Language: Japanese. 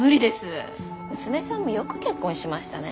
娘さんもよく結婚しましたね